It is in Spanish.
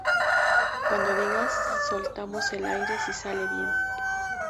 cuando digas, soltamos el aire. si sale bien